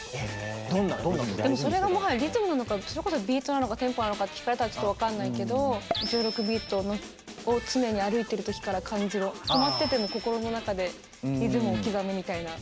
どんなのどんなの？でもそれがもはやリズムなのかそれこそビートなのかテンポなのかって聞かれたらちょっと分かんないけど「１６ビートを常に歩いてるときから感じろ止まってても心の中でリズムを刻め」みたいな。